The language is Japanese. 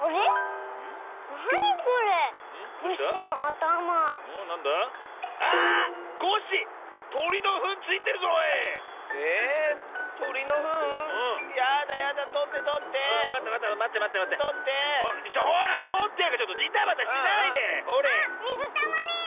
あっみずたまり！